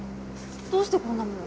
どうしてこんなもの。